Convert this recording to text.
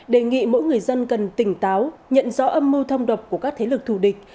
đề nghị mỗi người dân cần tỉnh táo nhận rõ âm mưu thông độc của các thế lực thù địch